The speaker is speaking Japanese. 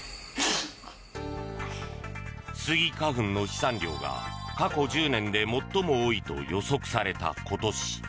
スギ花粉の飛散量が過去１０年で最も多いと予測された今年。